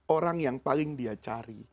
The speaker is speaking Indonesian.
orang yang paling dia cari